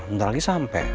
ntar lagi sampe